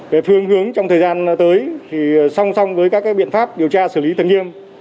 về phương hướng trong thời gian tới thì song song với các biện pháp điều tra xử lý thật nghiêm